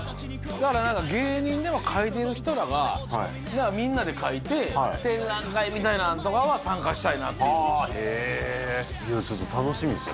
だから何か芸人でも描いてる人らが何かみんなで描いて展覧会みたいなのとかは参加したいなっていうちょっと楽しみですね